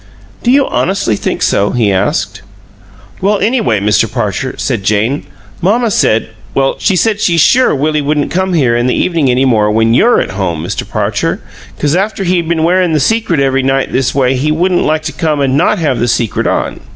"Do you honestly think so?" he asked. "Well, anyway, Mr. Parcher," said Jane, "mamma said well, she said she's sure Willie wouldn't come here in the evening any more when YOU're at home, Mr. Parcher 'cause after he'd been wearin' the secret every night this way he wouldn't like to come and not have the secret on.